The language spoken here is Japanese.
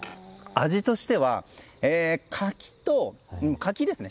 味としては柿ですね。